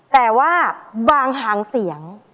แต่ว่าบางหางเสียง